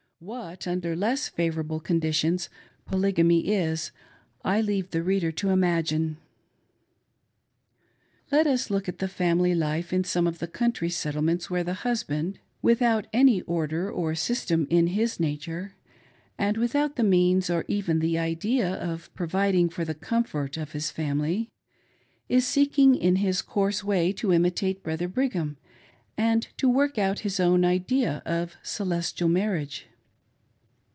What, under less favorable conditions, Polygamy is, I leave the reader to imagine. Let us look at the family life in some of the country THE "privilege" OF POLYGAMY! 479 settlements where the husband — ^without any order or system in his nature, and without the means or even the idea of providing for the comfort of his family — is seeking in his coarse way to imitate Brother Brigham and to work out his own idea of Celestial Marriage.